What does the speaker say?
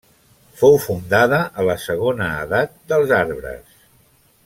Fou fundada a la Segona Edat dels Arbres.